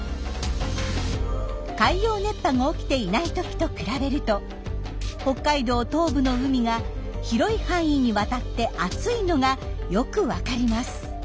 海洋熱波が起きていない時と比べると北海道東部の海が広い範囲にわたって熱いのがよくわかります。